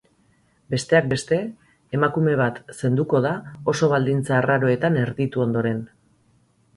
Besteak beste, emakume bat zenduko da oso baldintza arraroetan erditu ondoren.